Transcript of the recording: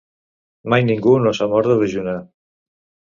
Mai ningú no s'ha mort de dejunar.